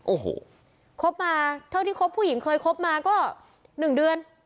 โอ้โหคบมาเท่าที่คบผู้หญิงเคยคบมาก็๑เดือน